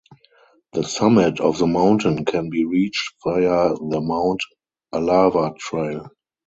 The summit of the mountain can be reached via the Mount Alava Trail.